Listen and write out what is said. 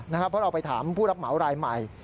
เพราะเราไปถามผู้รับเหมารายใหม่